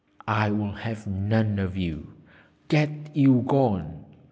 I will have none of you get you gone!'